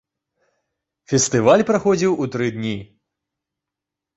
Фестываль праходзіў у тры дні.